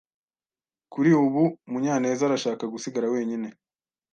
Kuri ubu, Munyanezarashaka gusigara wenyine.